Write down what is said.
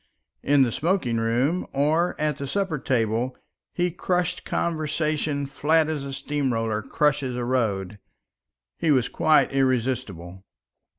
In the smoking room or at the supper table he crushed conversation flat as a steam roller crushes a road. He was quite irresistible.